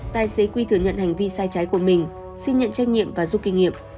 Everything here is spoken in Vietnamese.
tài xế quy thừa nhận hành vi sai trái của mình xin nhận trách nhiệm và giúp kinh nghiệm